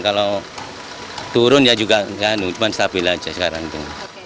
kalau turun ya juga cuma stabil aja sekarang itu